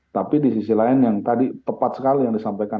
tapi di sisi lain yang tadi tepat sekali yang disampaikan